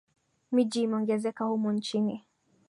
Miji imeongezeka humu nchini